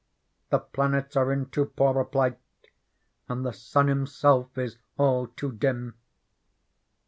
The planets are in too poor a plight. And the sun hi mself is all too dim.